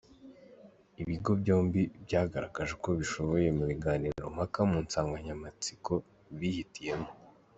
Ibigo byombi byagaragaje uko bishoboye mu biganirompaka mu nsanganyamatsiko bihitiyemo.